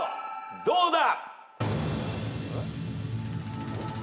どうだ？